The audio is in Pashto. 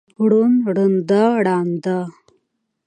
ړوند، ړنده، ړانده